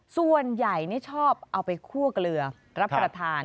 ส่วนใหญ่นี่ชอบเอาไปคั่วเกลือรับประทาน